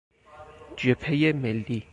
جبههی ملی